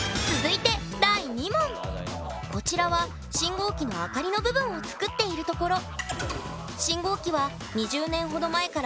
こちらは信号機の明かりの部分を作っているところ。